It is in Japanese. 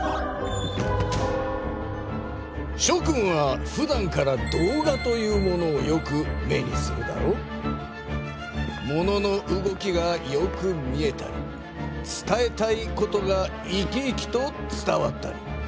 しょ君はふだんから動画というものをよく目にするだろう？ものの動きがよく見えたり伝えたいことが生き生きと伝わったり。